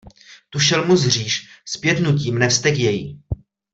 Tu šelmu zříš, zpět nutí mne vztek její.